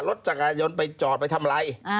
รถจักรยานยนต์ไปจอดไปทำอะไร